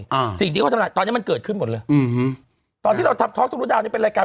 อ่าสิ่งที่เขาทำลายตอนเนี้ยมันเกิดขึ้นหมดเลยอืมตอนที่เราทำท็อกทุรุดาวนี้เป็นรายการ